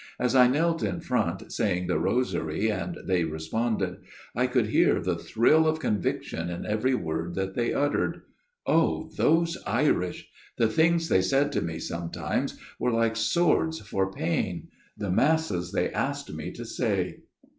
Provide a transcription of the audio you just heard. As I knelt in front saying the rosary and they responded, I could hear the thrill of conviction in every word that they uttered. Oh ! those Irish ! The things they said to me sometimes were like swords for pain ... the Masses they asked me to say.